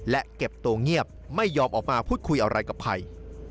และเก็บตัวเงียบไม่ยอมออกมาพูดคุยอะไรกับใคร